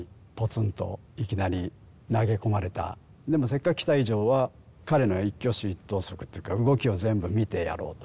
でもせっかく来た以上は彼の一挙手一投足っていうか動きを全部見てやろうと。